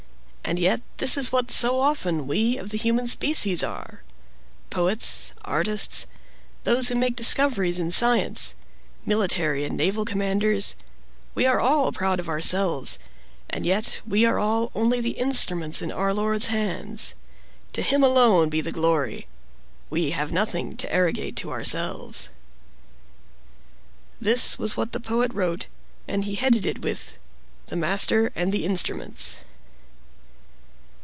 And yet this is what so often we of the human species are. Poets, artists, those who make discoveries in science, military and naval commanders—we are all proud of ourselves; and yet we are all only the instruments in our Lord's hands. To Him alone be the glory! We have nothing to arrogate to ourselves." This was what the Poet wrote; and he headed it with: "The Master and the Instruments."